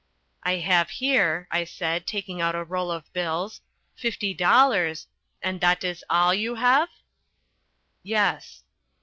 "I have here," I said, taking out a roll of bills, "fifty dollars " "And that is all you have?" "Yes."